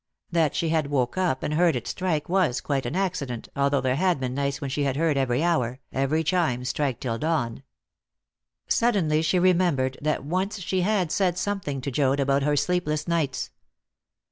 That she had woke up and heard it strike was quite an accident, although there had been nights when she had heard every hour, every chime, strike till dawn. Suddenly she remembered that once she had said something to Joad about her sleepless nights.